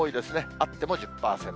あっても１０％。